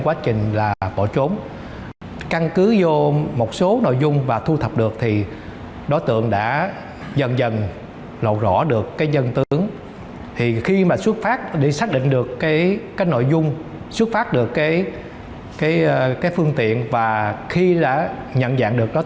quá trình ra vào quán người này luôn đeo khẩu trang nên công an không xác định được đặc điểm nhận dạng của người này